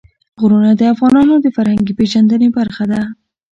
غرونه د افغانانو د فرهنګي پیژندنې برخه ده.